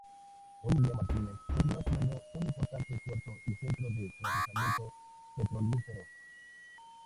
Hoy en día, "Martinez", continúa siendo un importante puerto y centro de procesamiento petrolífero.